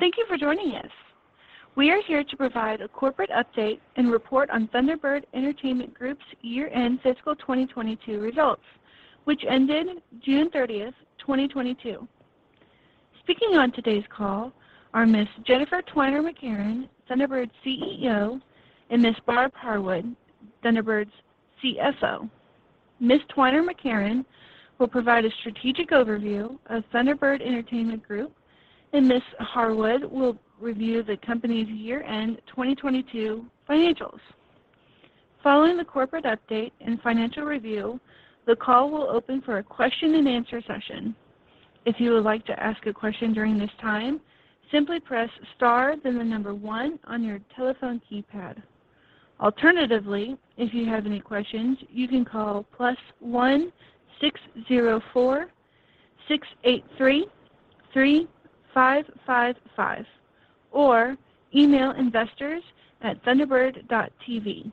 Thank you for joining us. We are here to provide a corporate update and report on Thunderbird Entertainment Group's year-end fiscal 2022 results, which ended June 30, 2022. Speaking on today's call are Ms. Jennifer Twiner McCarron, Thunderbird's CEO, and Ms. Barb Harwood, Thunderbird's CFO. Ms. Twiner McCarron will provide a strategic overview of Thunderbird Entertainment Group, and Ms. Harwood will review the company's year-end 2022 financials. Following the corporate update and financial review, the call will open for a question and answer session. If you would like to ask a question during this time, simply press star then the number 1 on your telephone keypad. Alternatively, if you have any questions, you can call +1 604 683 3555 or email investors@thunderbird.tv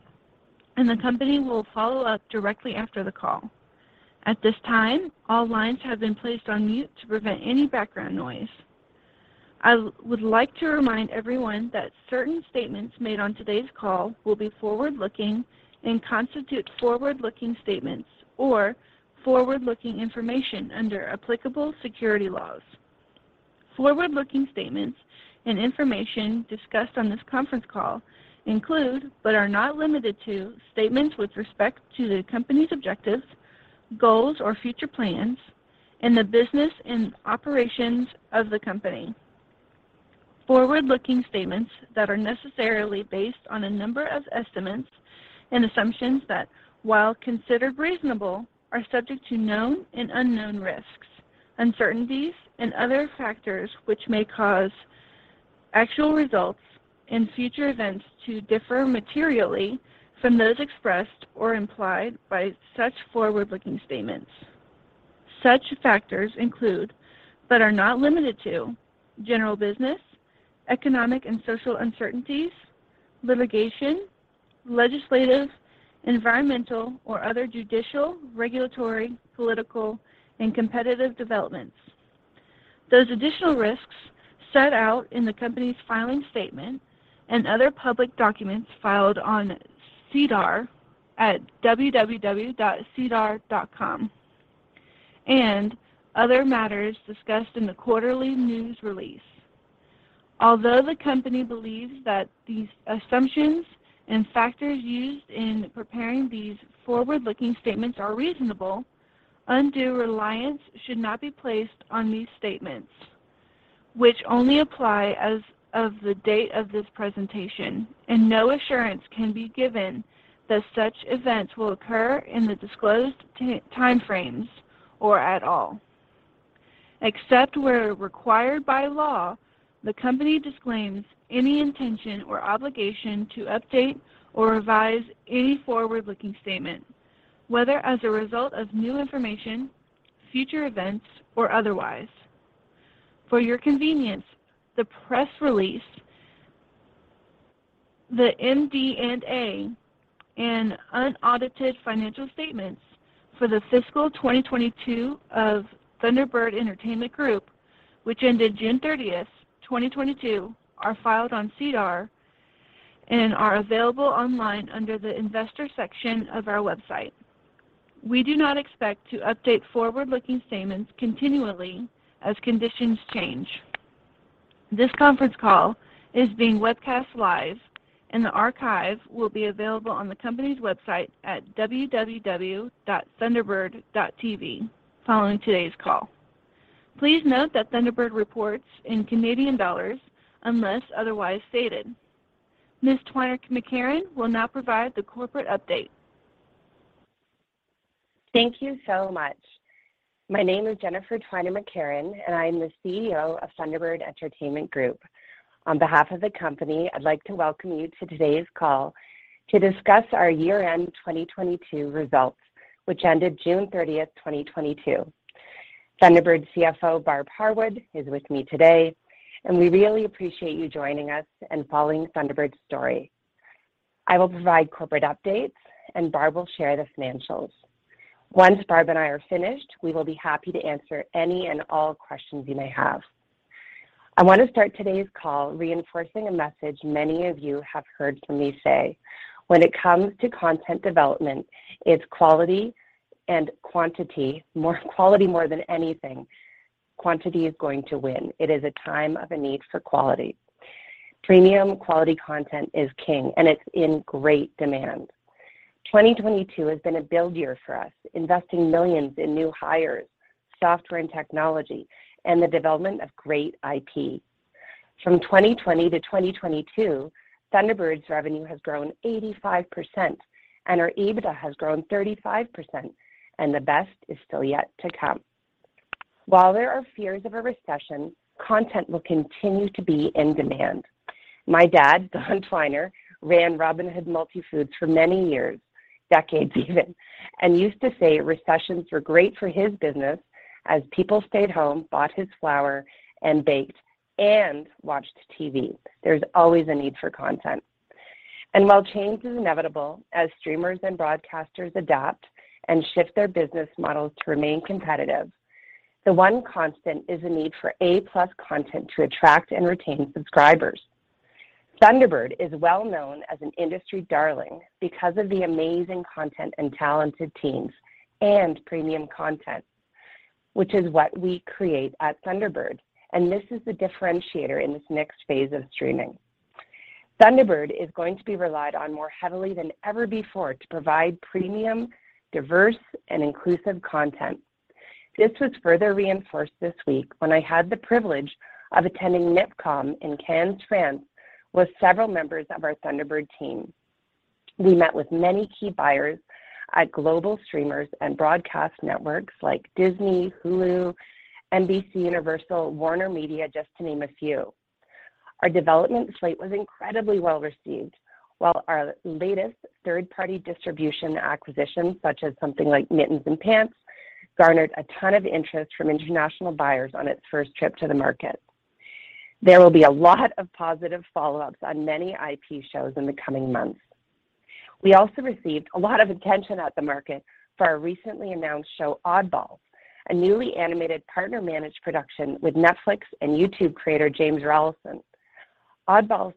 and the company will follow up directly after the call. At this time, all lines have been placed on mute to prevent any background noise. I would like to remind everyone that certain statements made on today's call will be forward-looking and constitute forward-looking statements or forward-looking information under applicable securities laws. Forward-looking statements and information discussed on this conference call include, but are not limited to, statements with respect to the company's objectives, goals, or future plans and the business and operations of the company. Forward-looking statements that are necessarily based on a number of estimates and assumptions that, while considered reasonable, are subject to known and unknown risks, uncertainties, and other factors which may cause actual results and future events to differ materially from those expressed or implied by such forward-looking statements. Such factors include, but are not limited to, general business, economic and social uncertainties, litigation, legislative, environmental, or other judicial, regulatory, political, and competitive developments. Those additional risks set out in the company's filing statement and other public documents filed on SEDAR at www.sedar.com and other matters discussed in the quarterly news release. Although the company believes that these assumptions and factors used in preparing these forward-looking statements are reasonable, undue reliance should not be placed on these statements, which only apply as of the date of this presentation, and no assurance can be given that such events will occur in the disclosed time frames or at all. Except where required by law, the company disclaims any intention or obligation to update or revise any forward-looking statement, whether as a result of new information, future events, or otherwise. For your convenience, the press release, the MD&A, and unaudited financial statements for the fiscal 2022 of Thunderbird Entertainment Group, which ended June 30, 2022, are filed on SEDAR and are available online under the investor section of our website. We do not expect to update forward-looking statements continually as conditions change. This conference call is being webcast live, and the archive will be available on the company's website at www.thunderbird.tv following today's call. Please note that Thunderbird reports in Canadian dollars unless otherwise stated. Ms. Twiner McCarron will now provide the corporate update. Thank you so much. My name is Jennifer Twiner McCarron, and I am the CEO of Thunderbird Entertainment Group. On behalf of the company, I'd like to welcome you to today's call to discuss our year-end 2022 results, which ended June 30, 2022. Thunderbird CFO Barb Harwood is with me today, and we really appreciate you joining us and following Thunderbird's story. I will provide corporate updates, and Barb will share the financials. Once Barb and I are finished, we will be happy to answer any and all questions you may have. I want to start today's call reinforcing a message many of you have heard me say. When it comes to content development, it's quality and quantity, more quality more than anything. Quantity is going to win. It is a time of a need for quality. Premium quality content is king, and it's in great demand. 2022 has been a build year for us, investing millions in new hires, software and technology, and the development of great IP. From 2020 to 2022, Thunderbird's revenue has grown 85%, and our EBITDA has grown 35%, and the best is still yet to come. While there are fears of a recession, content will continue to be in demand. My dad, Don Twiner, ran Robin Hood Multifoods for many years, decades even, and used to say recessions were great for his business as people stayed home, bought his flour, and baked and watched TV. There's always a need for content. While change is inevitable as streamers and broadcasters adapt and shift their business models to remain competitive, the one constant is the need for A-plus content to attract and retain subscribers. Thunderbird is well known as an industry darling because of the amazing content and talented teams and premium content, which is what we create at Thunderbird, and this is the differentiator in this next phase of streaming. Thunderbird is going to be relied on more heavily than ever before to provide premium, diverse and inclusive content. This was further reinforced this week when I had the privilege of attending MIPCOM in Cannes, France, with several members of our Thunderbird team. We met with many key buyers at global streamers and broadcast networks like Disney, Hulu, NBCUniversal, WarnerMedia, just to name a few. Our development slate was incredibly well received, while our latest third-party distribution acquisitions, such as something like Mittens & Pants, garnered a ton of interest from international buyers on its first trip to the market. There will be a lot of positive follow-ups on many IP shows in the coming months. We also received a lot of attention at the market for our recently announced show, Oddballs, a newly animated partner managed production with Netflix and YouTube creator James Rallison. Oddballs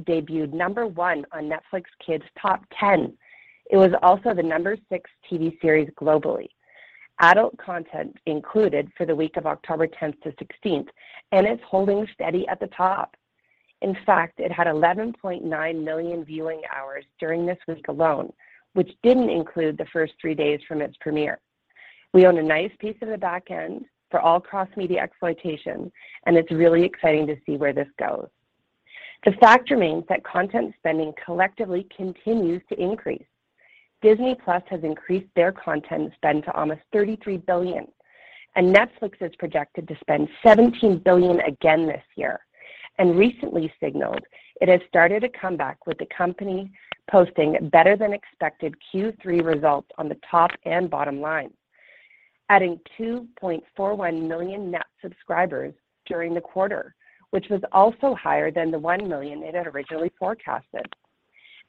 debuted number 1 on Netflix Kids Top 10. It was also the number 6 TV series globally, all content included for the week of October 10th to 16th, and it's holding steady at the top. In fact, it had 11.9 million viewing hours during this week alone, which didn't include the first 3 days from its premiere. We own a nice piece of the back end for all cross-media exploitation, and it's really exciting to see where this goes. The fact remains that content spending collectively continues to increase. Disney+ has increased their content spend to almost $33 billion, and Netflix is projected to spend $17 billion again this year, and recently signaled it has started a comeback with the company posting better than expected Q3 results on the top and bottom line, adding 2.41 million net subscribers during the quarter, which was also higher than the 1 million it had originally forecasted.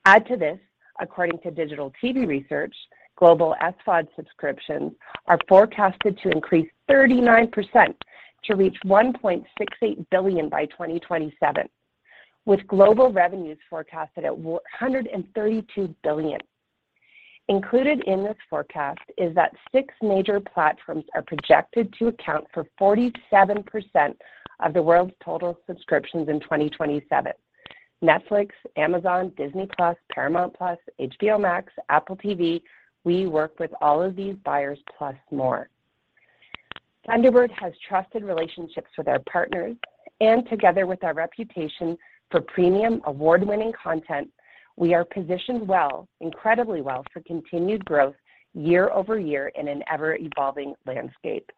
Add to this, according to Digital TV Research, global SVOD subscriptions are forecasted to increase 39% to reach 1.68 billion by 2027, with global revenues forecasted at $132 billion. Included in this forecast is that six major platforms are projected to account for 47% of the world's total subscriptions in 2027. Netflix, Amazon, Disney+, Paramount+, HBO Max, Apple TV, we work with all of these buyers plus more. Thunderbird has trusted relationships with our partners, and together with our reputation for premium award-winning content, we are positioned well, incredibly well for continued growth year over year in an ever-evolving landscape.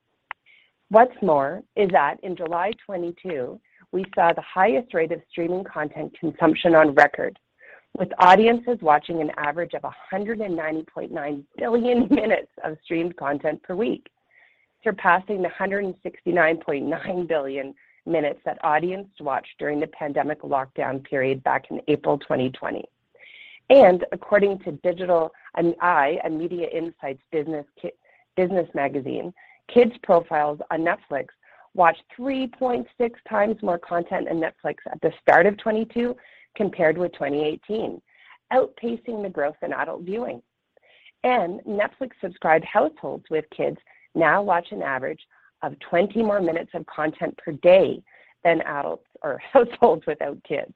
What's more is that in July 2022, we saw the highest rate of streaming content consumption on record, with audiences watching an average of 190.9 billion minutes of streamed content per week, surpassing the 169.9 billion minutes that audience watched during the pandemic lockdown period back in April 2020. According to Digital i, a media insights business magazine, Kids profiles on Netflix watched 3.6 times more content on Netflix at the start of 2022 compared with 2018, outpacing the growth in adult viewing. Netflix subscribed households with kids now watch an average of 20 more minutes of content per day than adults or households without kids.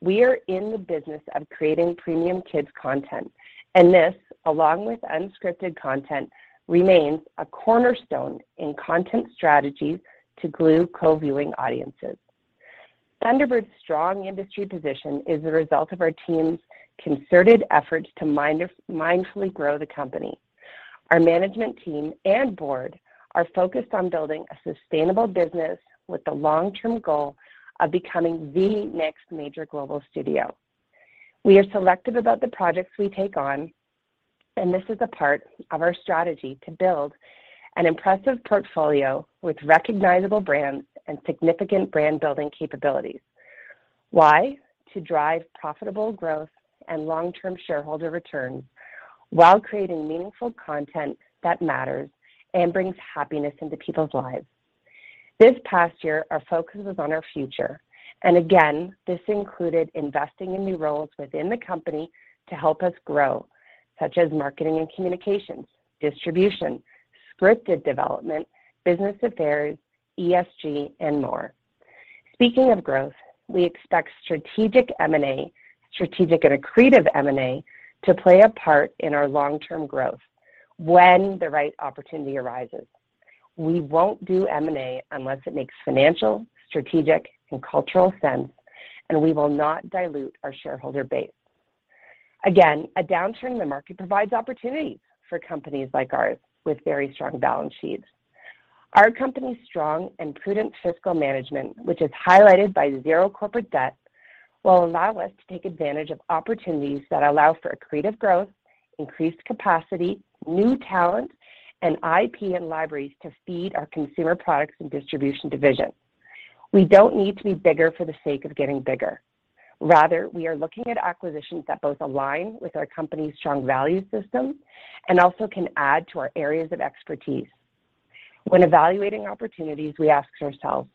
We are in the business of creating premium kids content, and this, along with unscripted content, remains a cornerstone in content strategies to glue co-viewing audiences. Thunderbird's strong industry position is the result of our team's concerted efforts to mindfully grow the company. Our management team and board are focused on building a sustainable business with the long-term goal of becoming the next major global studio. We are selective about the projects we take on, and this is a part of our strategy to build an impressive portfolio with recognizable brands and significant brand building capabilities. Why? To drive profitable growth and long-term shareholder returns while creating meaningful content that matters and brings happiness into people's lives. This past year, our focus was on our future, and again, this included investing in new roles within the company to help us grow, such as marketing and communications, distribution, scripted development, business affairs, ESG and more. Speaking of growth, we expect strategic and accretive M&A to play a part in our long-term growth when the right opportunity arises. We won't do M&A unless it makes financial, strategic and cultural sense, and we will not dilute our shareholder base. Again, a downturn in the market provides opportunities for companies like ours with very strong balance sheets. Our company's strong and prudent fiscal management, which is highlighted by zero corporate debt, will allow us to take advantage of opportunities that allow for accretive growth, increased capacity, new talent and IP and libraries to feed our consumer products and distribution division. We don't need to be bigger for the sake of getting bigger. Rather, we are looking at acquisitions that both align with our company's strong value system and also can add to our areas of expertise. When evaluating opportunities, we ask ourselves,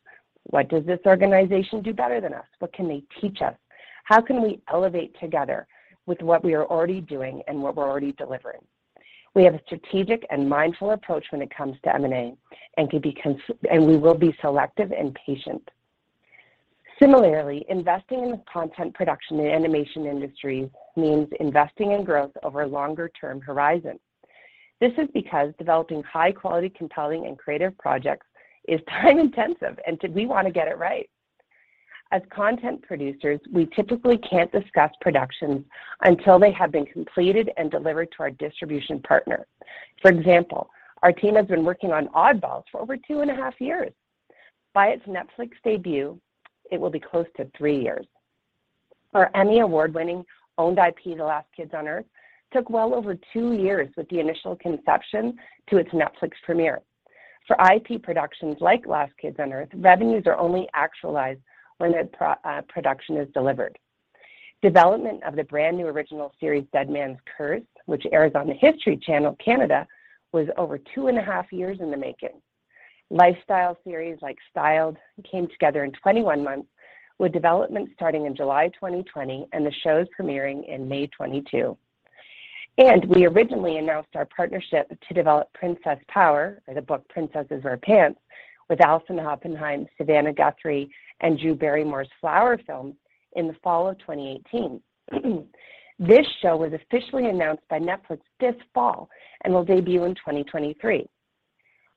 "What does this organization do better than us? What can they teach us? How can we elevate together with what we are already doing and what we're already delivering?" We have a strategic and mindful approach when it comes to M&A and we will be selective and patient. Similarly, investing in the content production and animation industry means investing in growth over a longer-term horizon. This is because developing high-quality, compelling, and creative projects is time-intensive, and we wanna get it right. As content producers, we typically can't discuss productions until they have been completed and delivered to our distribution partner. For example, our team has been working on Oddballs for over 2.5 years. By its Netflix debut, it will be close to 3 years. Our Emmy Award-winning owned IP, The Last Kids on Earth, took well over 2 years with the initial conception to its Netflix premiere. For IP productions like Last Kids on Earth, revenues are only actualized when a production is delivered. Development of the brand-new original series, Deadman's Curse, which airs on the History Channel Canada, was over 2.5 years in the making. Lifestyle series like Styled came together in 21 months with development starting in July 2020 and the shows premiering in May 2022. We originally announced our partnership to develop Princess Power or the book Princesses Wear Pants with Allison Oppenheim, Savannah Guthrie, and Drew Barrymore's Flower Films in the fall of 2018. This show was officially announced by Netflix this fall and will debut in 2023.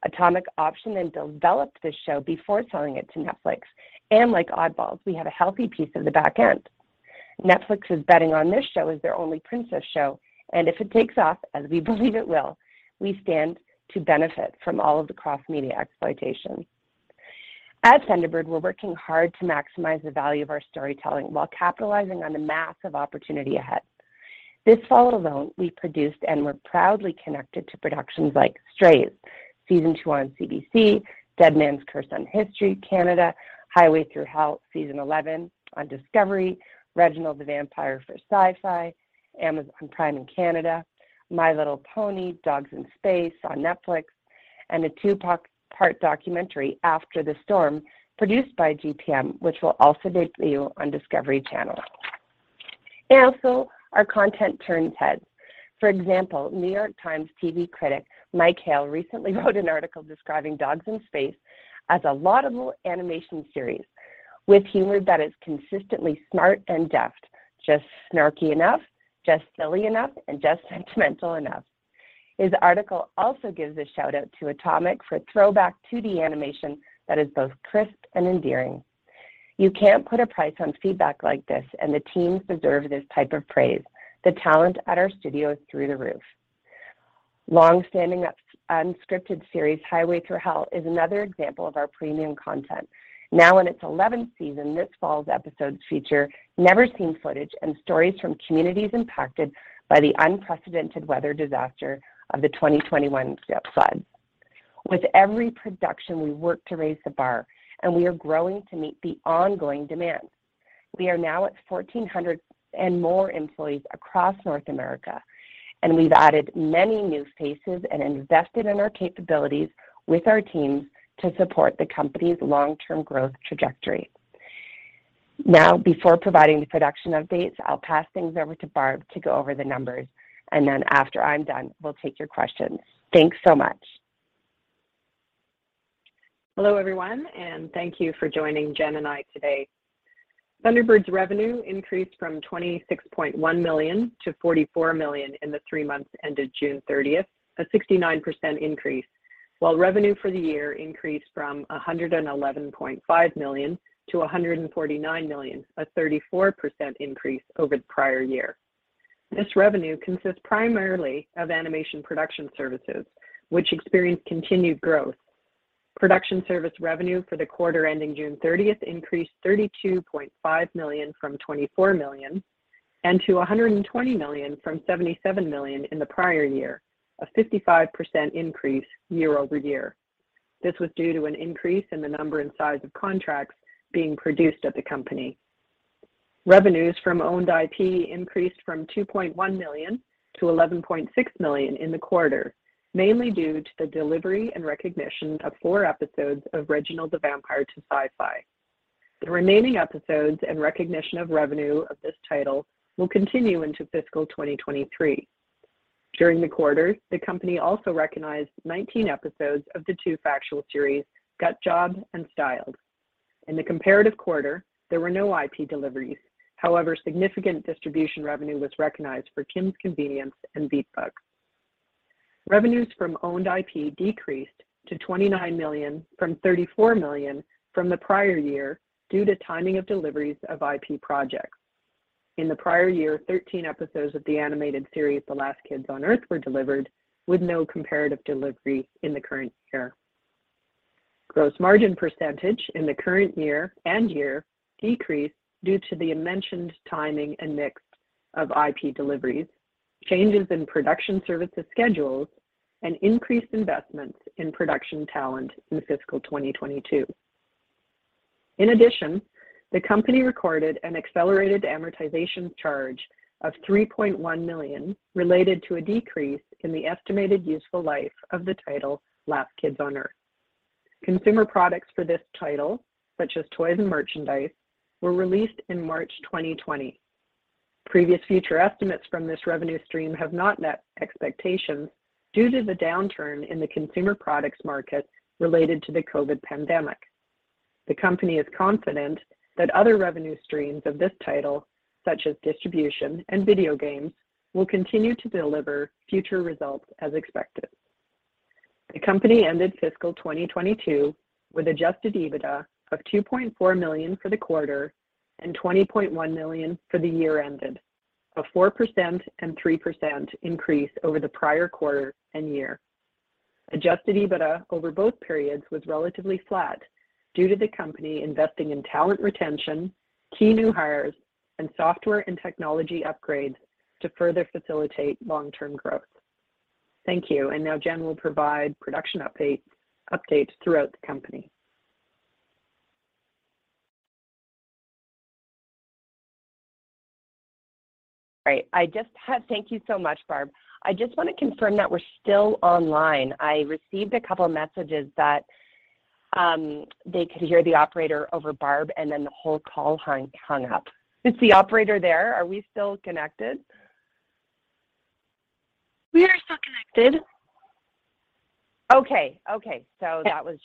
Atomic optioned and developed this show before selling it to Netflix. Like Oddballs, we have a healthy piece of the back end. Netflix is betting on this show as their only princess show, and if it takes off, as we believe it will, we stand to benefit from all of the cross-media exploitation. At Thunderbird, we're working hard to maximize the value of our storytelling while capitalizing on the massive opportunity ahead. This fall alone, we produced and were proudly connected to productions like Strays Season 2 on CBC, Deadman's Curse on History, Highway Thru Hell Season 11 on Discovery, Reginald the Vampire for Syfy, Amazon Prime in Canada, My Little Pony, Dogs in Space on Netflix, and a 2-part documentary, After the Storm, produced by GPM, which will also debut on Discovery Channel. Also our content turns heads. For example, New York Times TV critic Mike Hale recently wrote an article describing Dogs in Space as a laudable animation series with humor that is consistently smart and deft, just snarky enough, just silly enough, and just sentimental enough. His article also gives a shout-out to Atomic for throwback 2D animation that is both crisp and endearing. You can't put a price on feedback like this, and the teams deserve this type of praise. The talent at our studio is through the roof. Long-standing unscripted series Highway Thru Hell is another example of our premium content. Now in its eleventh season, this fall's episodes feature never-seen footage and stories from communities impacted by the unprecedented weather disaster of the 2021 flood. With every production, we work to raise the bar, and we are growing to meet the ongoing demands. We are now at 1,400 and more employees across North America, and we've added many new faces and invested in our capabilities with our teams to support the company's long-term growth trajectory. Now, before providing the production updates, I'll pass things over to Barb to go over the numbers, and then after I'm done, we'll take your questions. Thanks so much. Hello, everyone, and thank you for joining Jen and I today. Thunderbird's revenue increased from 26.1 million to 44 million in the three months ended June thirtieth, a 69% increase, while revenue for the year increased from 111.5 million to 149 million, a 34% increase over the prior year. This revenue consists primarily of animation production services, which experienced continued growth. Production service revenue for the quarter ending June thirtieth increased 32.5 million from 24 million and to 120 million from 77 million in the prior year, a 55% increase year over year. This was due to an increase in the number and size of contracts being produced at the company. Revenues from owned IP increased from 2.1 million to 11.6 million in the quarter, mainly due to the delivery and recognition of 4 episodes of Reginald the Vampire to Syfy. The remaining episodes and recognition of revenue of this title will continue into fiscal 2023. During the quarter, the company also recognized 19 episodes of the two factual series, Gut Job and Styled. In the comparative quarter, there were no IP deliveries. However, significant distribution revenue was recognized for Kim's Convenience and Beat Bugs. Revenues from owned IP decreased to 29 million from 34 million from the prior year due to timing of deliveries of IP projects. In the prior year, 13 episodes of the animated series The Last Kids on Earth were delivered with no comparative delivery in the current year. Gross margin percentage in the current year and prior year decreased due to the mentioned timing and mix of IP deliveries. Changes in production services schedules and increased investments in production talent in fiscal 2022. In addition, the company recorded an accelerated amortization charge of 3.1 million related to a decrease in the estimated useful life of the title The Last Kids on Earth. Consumer products for this title, such as toys and merchandise, were released in March 2020. Previous future estimates from this revenue stream have not met expectations due to the downturn in the consumer products market related to the COVID pandemic. The company is confident that other revenue streams of this title, such as distribution and video games, will continue to deliver future results as expected. The company ended fiscal 2022 with adjusted EBITDA of 2.4 million for the quarter and 20.1 million for the year ended, a 4% and 3% increase over the prior quarter and year. Adjusted EBITDA over both periods was relatively flat due to the company investing in talent retention, key new hires, and software and technology upgrades to further facilitate long-term growth. Thank you. Now Jen will provide production update, updates throughout the company. Right. Thank you so much, Barb. I just wanna confirm that we're still online. I received a couple messages that they could hear the operator over Barb, and then the whole call hung up. Is the operator there? Are we still connected? We are still connected. Okay.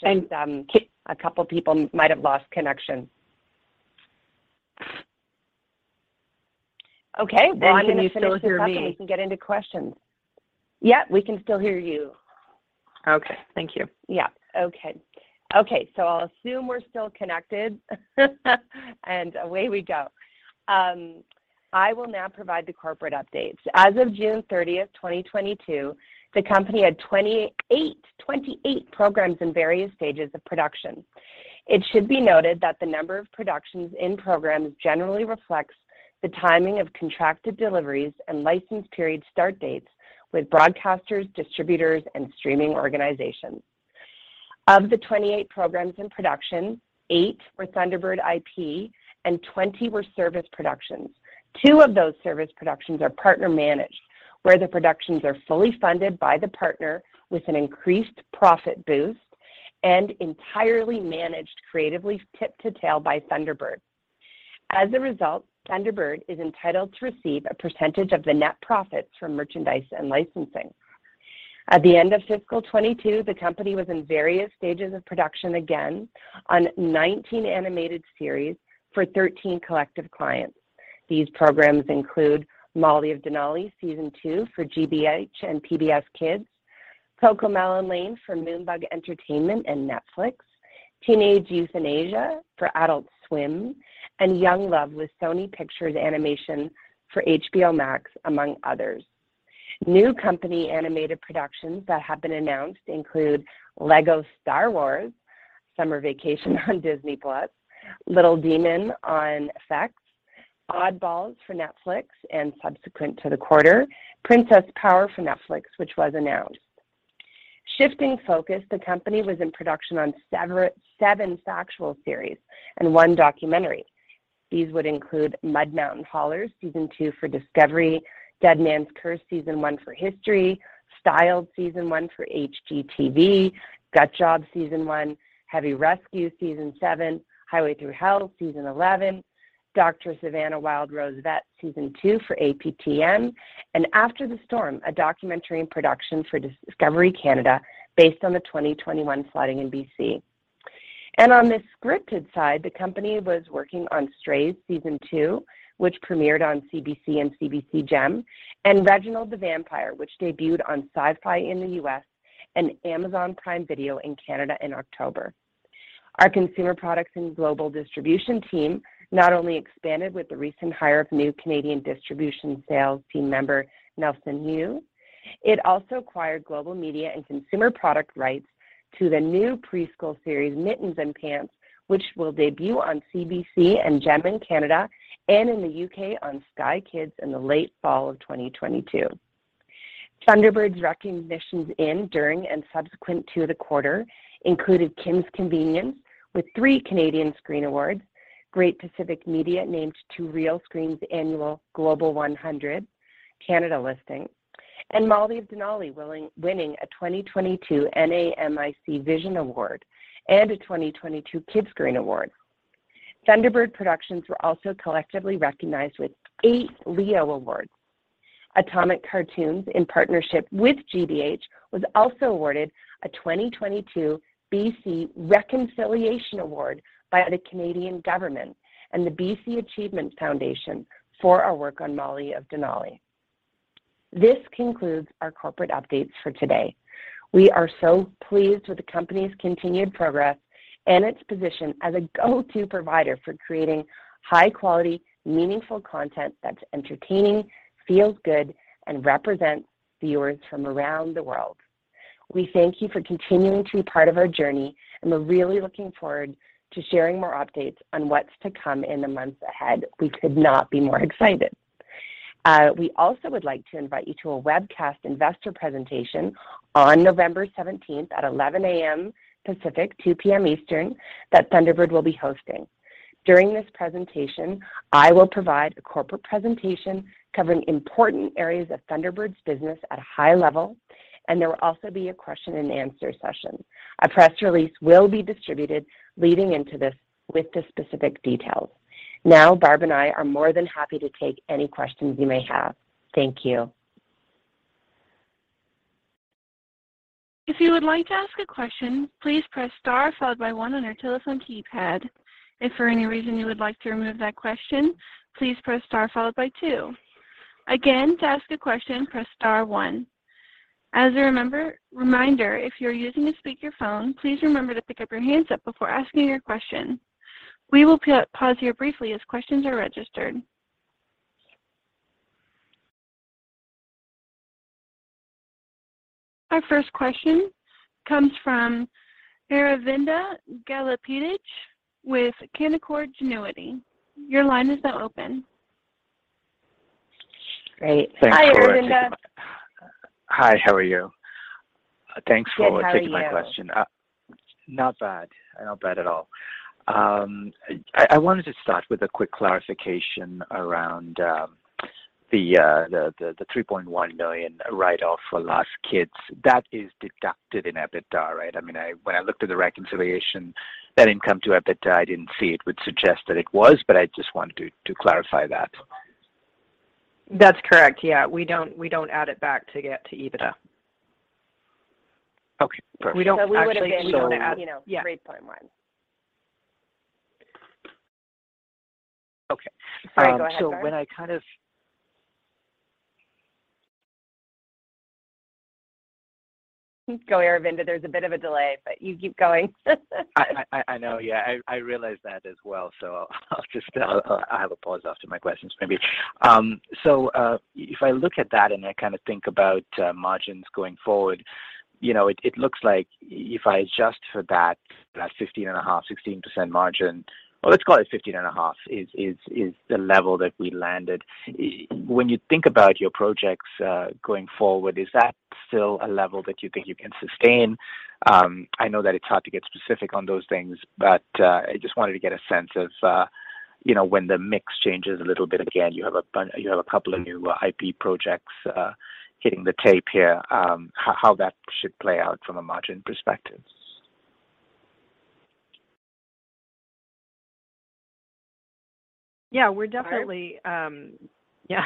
And C- A couple people might have lost connection. Okay. Well, I'm gonna finish this up. Can you still hear me? We can get into questions. Yep, we can still hear you. Okay. Thank you. Okay. I'll assume we're still connected, and away we go. I will now provide the corporate updates. As of June 30, 2022, the company had 28 programs in various stages of production. It should be noted that the number of productions in programs generally reflects the timing of contracted deliveries and license period start dates with broadcasters, distributors, and streaming organizations. Of the 28 programs in production, 8 were Thunderbird IP, and 20 were service productions. 2 of those service productions are partner managed, where the productions are fully funded by the partner with an increased profit boost and entirely managed creatively tip to tail by Thunderbird. As a result, Thunderbird is entitled to receive a percentage of the net profits from merchandise and licensing. At the end of fiscal 2022, the company was in various stages of production again on 19 animated series for 13 collective clients. These programs include Molly of Denali Season 2 for GBH and PBS Kids, CoComelon Lane for Moonbug Entertainment and Netflix, Teenage Euthanasia for Adult Swim, and Young Love with Sony Pictures Animation for HBO Max, among others. New company animated productions that have been announced include Lego Star Wars Summer Vacation on Disney+, Little Demon on FX, Oddballs for Netflix, and subsequent to the quarter, Princess Power for Netflix, which was announced. Shifting focus, the company was in production on seven factual series and one documentary. These would include Mud Mountain Haulers Season 2 for Discovery, Deadman's Curse Season 1 for History, Styled Season 1 for HGTV, Gut Job Season 1, Heavy Rescue Season 7, Highway Thru Hell Season 11, Dr. Dr. Savannah: Wild Rose Vet Season Two for APTN, and After the Storm, a documentary in production for Discovery Canada based on the 2021 flooding in BC. On the scripted side, the company was working on Strays Season Two, which premiered on CBC and CBC Gem, and Reginald the Vampire, which debuted on Syfy in the US and Amazon Prime Video in Canada in October. Our consumer products and global distribution team not only expanded with the recent hire of new Canadian distribution sales team member Nelson Yu, it also acquired global media and consumer product rights to the new preschool series Mittens and Pants, which will debut on CBC Gem in Canada and in the UK on Sky Kids in the late fall of 2022. Thunderbird's recognitions in, during, and subsequent to the quarter included Kim's Convenience with 3 Canadian Screen Awards, Great Pacific Media named to Realscreen's annual Global 100 Canada listing, and Molly of Denali winning a 2022 NAMIC Vision Award and a 2022 Kidscreen Award. Thunderbird Productions were also collectively recognized with 8 Leo Awards. Atomic Cartoons, in partnership with GBH, was also awarded a 2022 BC Reconciliation Award by the Canadian government and the BC Achievement Foundation for our work on Molly of Denali. This concludes our corporate updates for today. We are so pleased with the company's continued progress and its position as a go-to provider for creating high-quality, meaningful content that's entertaining, feels good, and represents viewers from around the world. We thank you for continuing to be part of our journey, and we're really looking forward to sharing more updates on what's to come in the months ahead. We could not be more excited. We also would like to invite you to a webcast investor presentation on November seventeenth at 11:00 A.M. Pacific, 2:00 P.M. Eastern, that Thunderbird will be hosting. During this presentation, I will provide a corporate presentation covering important areas of Thunderbird's business at a high level, and there will also be a question and answer session. A press release will be distributed leading into this with the specific details. Now, Barb and I are more than happy to take any questions you may have. Thank you. If you would like to ask a question, please press star followed by one on your telephone keypad. If for any reason you would like to remove that question, please press star followed by two. Again, to ask a question, press star one. As a reminder, if you're using a speakerphone, please remember to pick up your handset before asking your question. We will pause here briefly as questions are registered. Our first question comes from Aravinda Galappatthige with Canaccord Genuity. Your line is now open. Great. Thanks for taking my. Hi, Aravinda. Hi, how are you? Good. How are you? Thanks for taking my question. Not bad. Not bad at all. I wanted to start with a quick clarification around the 3.1 million write-off for Last Kids. That is deducted in EBITDA, right? I mean, when I looked at the reconciliation, net income to EBITDA, I didn't see it, which suggests that it was, but I just wanted to clarify that. That's correct. Yeah. We don't add it back to get to EBITDA. Okay, perfect. We don't actually. So it would have been- We don't add- You know. Yeah 3.1. Okay. Sorry. Go ahead, Barb. When I kind of. Keep going, Aravinda. There's a bit of a delay, but you keep going. I know. Yeah. I realize that as well, so I'll just, I'll have a pause after my questions maybe. If I look at that and I kinda think about margins going forward, you know, it looks like if I adjust for that 15.5%-16% margin, or let's call it 15.5% is the level that we landed, when you think about your projects going forward, is that still a level that you think you can sustain? I know that it's hard to get specific on those things, but I just wanted to get a sense of, you know, when the mix changes a little bit again, you have a couple of new IP projects hitting the tape here, how that should play out from a margin perspective? Yeah. Barb? Yeah,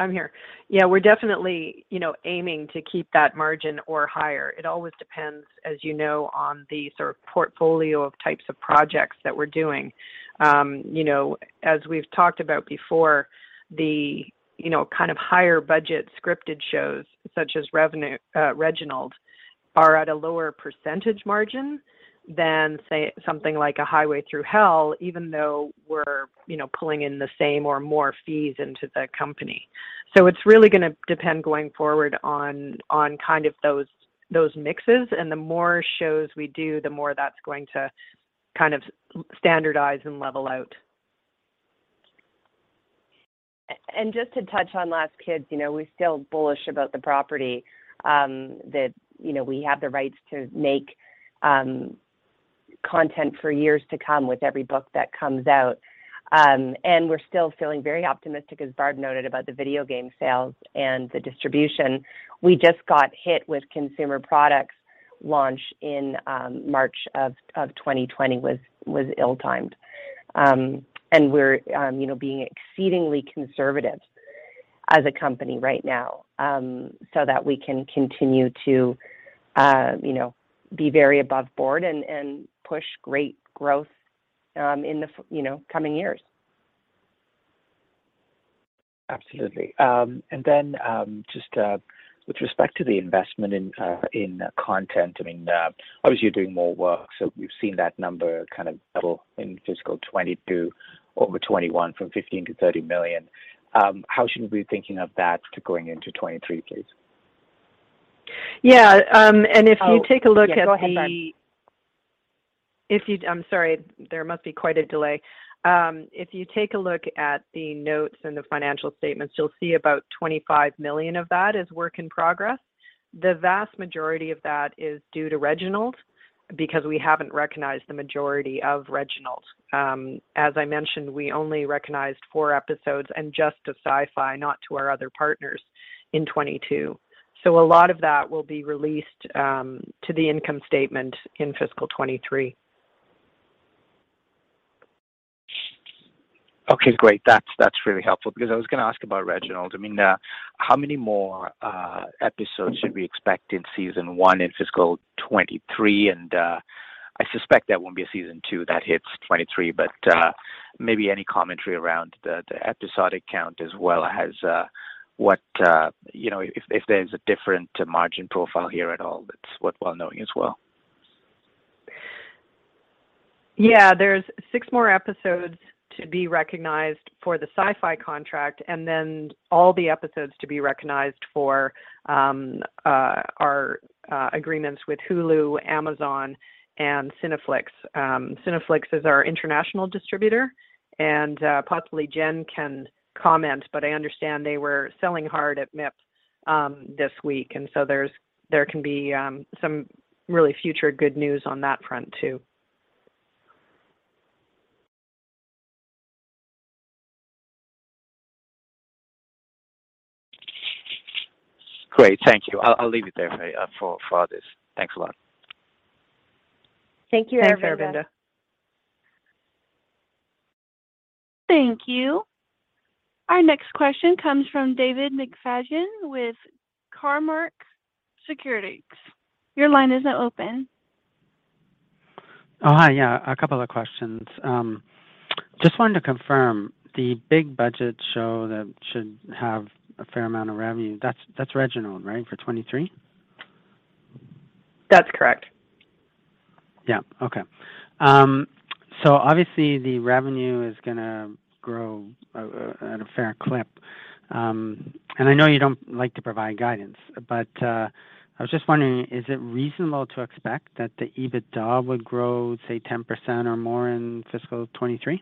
I'm here. Yeah. We're definitely, you know, aiming to keep that margin or higher. It always depends, as you know, on the sort of portfolio of types of projects that we're doing. You know, as we've talked about before, the, you know, kind of higher budget scripted shows such as Reginald are at a lower percentage margin than, say, something like a Highway Thru Hell, even though we're, you know, pulling in the same or more fees into the company. It's really gonna depend going forward on kind of those mixes, and the more shows we do, the more that's going to kind of standardize and level out. Just to touch on The Last Kids on Earth, you know, we're still bullish about the property, that, you know, we have the rights to make content for years to come with every book that comes out. We're still feeling very optimistic, as Barb noted, about the video game sales and the distribution. We just got hit with consumer products launch in March of 2020 was ill-timed. We're, you know, being exceedingly conservative as a company right now, so that we can continue to, you know, be very aboveboard and push great growth in the coming years. Absolutely. Just, with respect to the investment in content, I mean, obviously you're doing more work, so we've seen that number kind of double in fiscal 2022 over 2021 from 15 million to 30 million. How should we be thinking of that going into 2023, please? Yeah. If you take a look at the Oh, yeah, go ahead, Barb. If you take a look at the notes and the financial statements, you'll see about 25 million of that is work in progress. The vast majority of that is due to Reginald because we haven't recognized the majority of Reginald. As I mentioned, we only recognized four episodes and just to Syfy, not to our other partners in 2022. A lot of that will be released to the income statement in fiscal 2023. Okay, great. That's really helpful because I was gonna ask about Reginald. I mean, how many more episodes should we expect in season one in fiscal 2023? I suspect there won't be a season two that hits 2023, but maybe any commentary around the episode count as well as what you know if there's a different margin profile here at all, that's worthwhile knowing as well. Yeah, there's six more episodes to be recognized for the Syfy contract, and then all the episodes to be recognized for our agreements with Hulu, Amazon, and Cineflix. Cineflix is our international distributor, and possibly Jen can comment, but I understand they were selling hard at MIP this week. There can be some really future good news on that front too. Great. Thank you. I'll leave it there for others. Thanks a lot. Thank you, Aravinda. Thanks, Aravinda. Thank you. Our next question comes from David McFadgen with Cormark Securities. Your line is now open. Oh, hi. Yeah, a couple of questions. Just wanted to confirm, the big budget show that should have a fair amount of revenue, that's Reginald, right, for 2023? That's correct. Yeah. Okay. Obviously the revenue is gonna grow at a fair clip. I know you don't like to provide guidance. I was just wondering, is it reasonable to expect that the EBITDA would grow, say, 10% or more in fiscal 2023?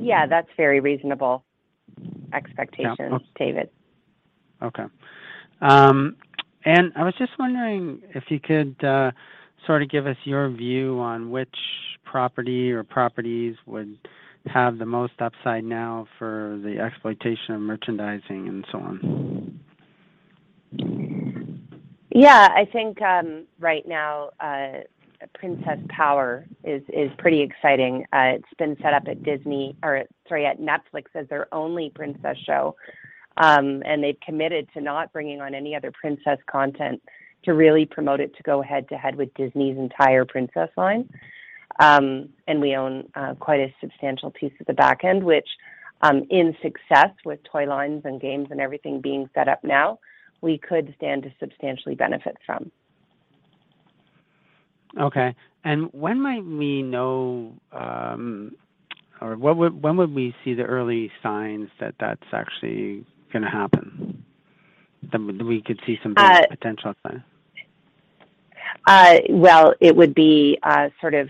Yeah, that's very reasonable expectation. Yeah. David. Okay. I was just wondering if you could sort of give us your view on which property or properties would have the most upside now for the exploitation and merchandising and so on? Yeah. I think right now Princess Power is pretty exciting. It's been set up at Disney, or sorry, at Netflix as their only princess show. They've committed to not bringing on any other princess content to really promote it to go head-to-head with Disney's entire princess line. We own quite a substantial piece of the back end, which in success with toy lines and games and everything being set up now, we could stand to substantially benefit from. Okay. When might we know, or when would we see the early signs that that's actually gonna happen? That we could see some po- Uh- Potential signs? Well, it would be sort of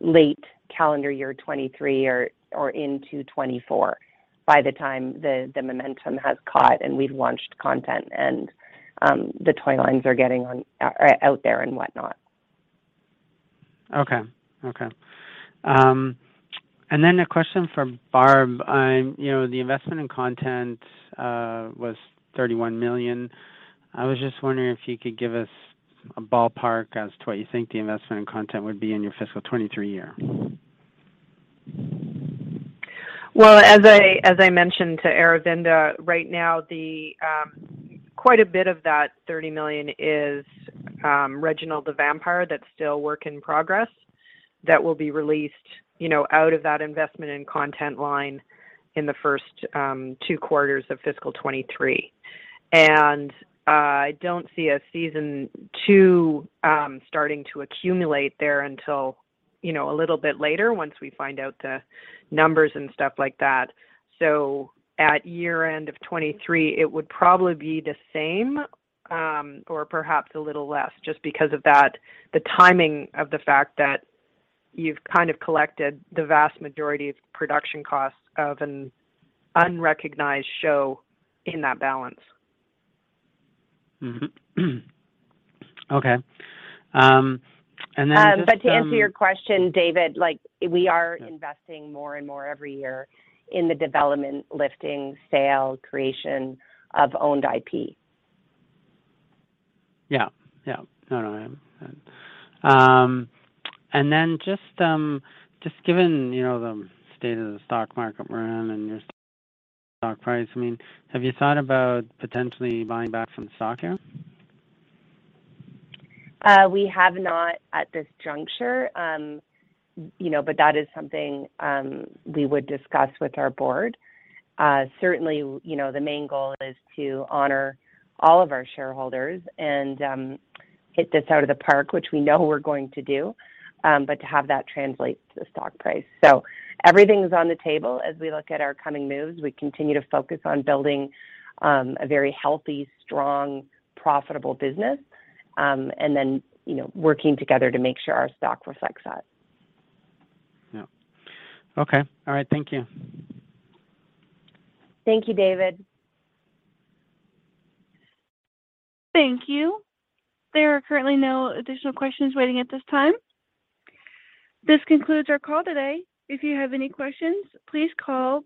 late calendar year 2023 or into 2024 by the time the momentum has caught and we've launched content and the toy lines are getting on or out there and whatnot. A question from Barb Harwood. You know, the investment in content was 31 million. I was just wondering if you could give us a ballpark as to what you think the investment in content would be in your fiscal 2023 year. As I mentioned to Aravinda Galappatthige, right now quite a bit of that 30 million is Reginald the Vampire that's still work in progress that will be released, you know, out of that investment and content line in the first two quarters of fiscal 2023. I don't see a season two starting to accumulate there until, you know, a little bit later once we find out the numbers and stuff like that. At year end of 2023, it would probably be the same or perhaps a little less just because of that, the timing of the fact that you've kind of collected the vast majority of production costs of an unrecognized show in that balance. Mm-hmm. Okay. To answer your question, David, like we are- Yeah investing more and more every year in the development, licensing, sale, creation of owned IP. Yeah. Yeah. No, no, yeah. Just given, you know, the state of the stock market we're in and your stock price, I mean, have you thought about potentially buying back some stock here? We have not at this juncture. You know, but that is something we would discuss with our board. Certainly, you know, the main goal is to honor all of our shareholders and hit this out of the park, which we know we're going to do, but to have that translate to the stock price. Everything's on the table as we look at our coming moves. We continue to focus on building a very healthy, strong, profitable business and then, you know, working together to make sure our stock reflects that. Yeah. Okay. All right. Thank you. Thank you, David. Thank you. There are currently no additional questions waiting at this time. This concludes our call today. If you have any questions, please call